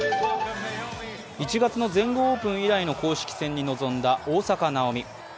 １月の全豪オープン以来の公式戦に臨んだ大坂なおみ。